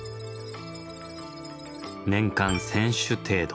年間１，０００種程度。